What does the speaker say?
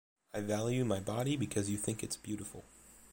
I value my body because you think it's beautiful.